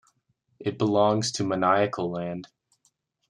It belongs to Manicaland.